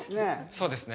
そうですね